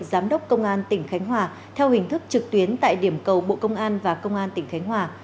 giám đốc công an tỉnh khánh hòa theo hình thức trực tuyến tại điểm cầu bộ công an và công an tỉnh khánh hòa